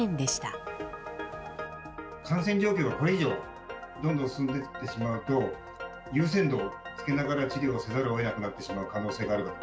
感染状況がこれ以上、どんどん進んでいってしまうと、優先度をつけながら治療せざるをえなくなってしまう可能性もある。